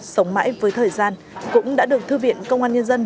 sống mãi với thời gian cũng đã được thư viện công an nhân dân